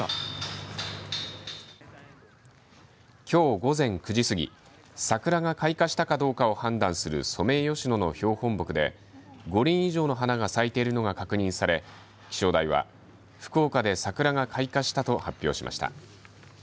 きょう午前９時過ぎ桜が開花したかどうかを判断するソメイヨシノの標本木で５輪以上の花が咲いているのが確認され気象台は福岡で桜が開花したと発表しました。